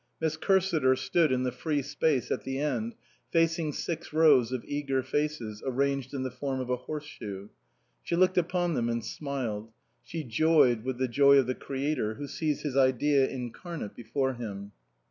Miss Cursiter stood in the free space at the end, facing six rows of eager faces arranged in the form of a horse shoe. She looked upon them and smiled ; she joyed with the joy of the creator who sees his idea incarnate before him.